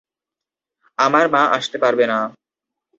আমার মা আসতে পারবে না।